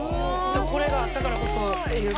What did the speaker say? これがあったからこそっていうことで。